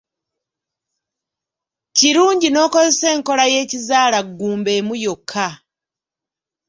Kirungi n'okozesa enkola y'ekizaalaggumba emu yokka.